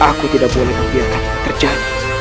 aku tidak boleh membiarkan terjadi